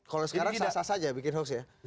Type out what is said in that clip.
kalau sekarang sasar saja bikin hoax ya